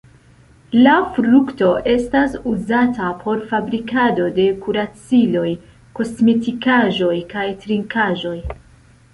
La frukto estas uzata por fabrikado de kuraciloj, kosmetikaĵoj, kaj trinkaĵoj.